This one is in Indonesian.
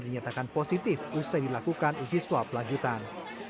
dinyatakan positif usai dilakukan uji swab lanjutan